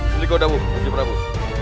silikon bukti prabu